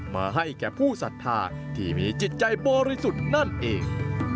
มาให้แก่ผู้ศรัทธาที่มีจิตใจบริสุทธิ์นั่นเอง